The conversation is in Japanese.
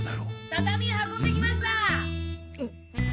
・たたみ運んできました！